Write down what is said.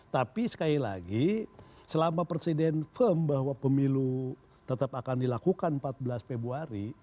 tapi sekali lagi selama presiden firm bahwa pemilu tetap akan dilakukan empat belas februari